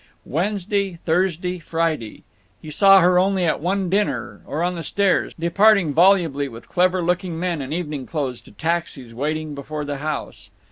Wednesday—Thursday—Friday; he saw her only at one dinner, or on the stairs, departing volubly with clever looking men in evening clothes to taxis waiting before the house.